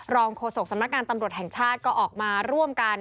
โฆษกสำนักงานตำรวจแห่งชาติก็ออกมาร่วมกัน